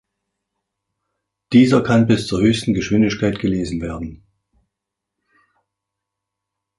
Dieser kann bis zur höchsten Geschwindigkeit gelesen werden.